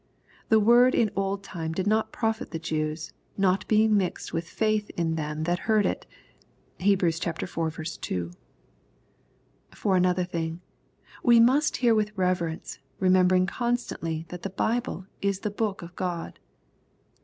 The word in old time did not profit the Jews, " not being mixed with faith in them that heard it." (Heb. iv. 2.) — ^For another thing, we must hear with reverence, remembering constantly that the Bible is the book of God.